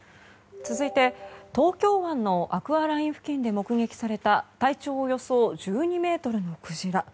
続いて、東京湾のアクアライン付近で目撃された体長およそ１２ｍのクジラ。